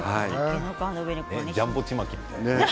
ジャンボちまきみたい。